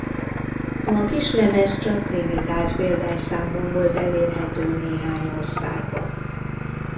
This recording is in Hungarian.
A kislemez csak limitált példányszámban volt elérhető néhány országban.